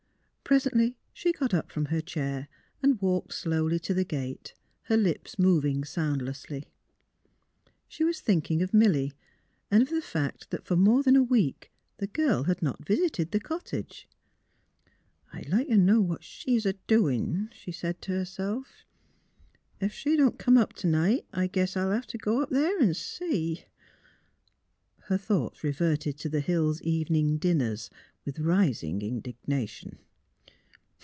Presently, she got up from her chair and walked slowly to the gate, her lips moving soundlessly. She was tliinking of Milly and of the fact that for more than a week the girl had not visited the cottage. 208 GRANDMA OENE SPEAKS HER MIND 209 "I'd like t' know what she's a doin'," she said, to herself. ^' Ef she don't come t ' night, I guess I'll hev t' g' up there an' see." Her thoughts reverted to the Hills' evening dinners with rising indignation.